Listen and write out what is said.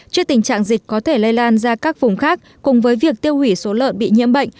trước tình trạng dịch có thể lây lan ra các vùng khác cùng với việc tiêu hủy số lợn bị nhiễm bệnh